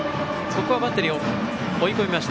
バッテリー追い込みました。